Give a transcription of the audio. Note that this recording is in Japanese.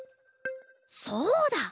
そうだ！